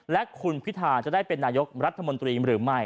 และคุณพิธาจะได้เป็นนายกรัฐมนตรีหรือไม่